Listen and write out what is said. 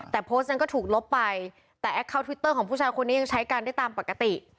แต่โพสต์นั้นก็ถูกลบไปแต่แอคเคาน์ทวิตเตอร์ของผู้ชายคนนี้ยังใช้กันได้ตามปกติ